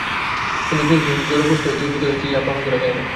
কিন্তু চিন্তাশক্তি যে জড়বস্তু হইতে উদ্ভূত হইয়াছে, ইহা প্রমাণ করা যায় না।